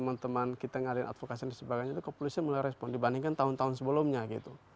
teman teman kita yang ngadain advokasi dan sebagainya itu kepolisian mulai respon dibandingkan tahun tahun sebelumnya gitu